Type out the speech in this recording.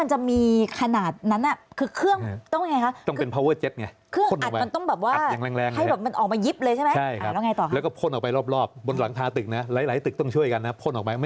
หลายตึกต้องช่วยกันนะพ่นออกไป